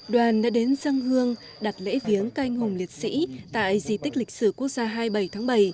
đoàn đã đến dân hương đặt lễ viếng canh hùng liệt sĩ tại di tích lịch sử quốc gia hai mươi bảy tháng bảy